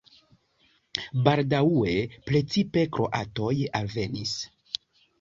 Baldaŭe precipe kroatoj alvenis.